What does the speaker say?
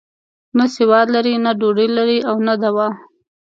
نه سواد لري، نه ډوډۍ لري او نه دوا.